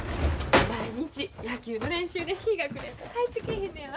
毎日野球の練習で日が暮れんと帰ってきぃひんのやわ。